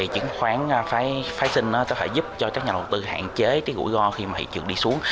chứng khoán phái sinh có thể giúp cho các nhà đầu tư hạn chế cái rủi ro khi mà thị trường đi xuống